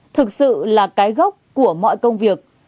thực sự là cái gốc của mọi công việc